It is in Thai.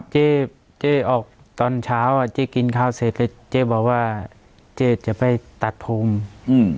เจ๊ออกตอนเช้าเจ๊กินข้าวเสร็จแล้วเจ๊บอกว่าเจ๊จะไปตัดภูมิ